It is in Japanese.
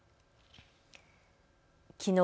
きのう